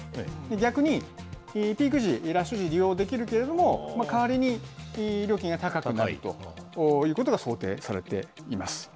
逆にピーク時、ラッシュ時、利用できるけれども、代わりに料金が高くなるということが想定されています。